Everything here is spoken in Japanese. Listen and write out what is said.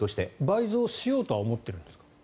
倍増しようとは思ってるんですか？